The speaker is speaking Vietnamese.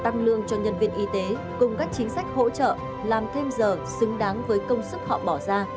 tăng lương cho nhân viên y tế cùng các chính sách hỗ trợ làm thêm giờ xứng đáng với công sức họ bỏ ra